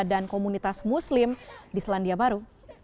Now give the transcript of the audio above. dan komunitas muslim di selandia baru